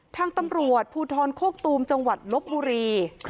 ทางตำรวจภูทรโคกตูมจังหวัดลบบุรี